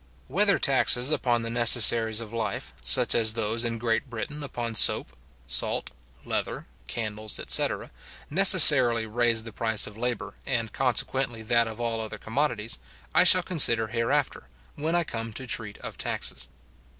Whether taxes upon the necessaries of life, such as those in Great Britain upon soap, salt, leather, candles, etc. necessarily raise the price of labour, and consequently that of all other commodities, I shall consider hereafter, when I come to treat of taxes.